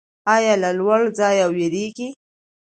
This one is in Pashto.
ایا له لوړ ځای ویریږئ؟